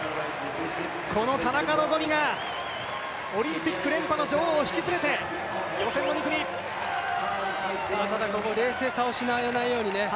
この田中希実がオリンピック連覇の女王を引き連れてここ冷静さを失わないよう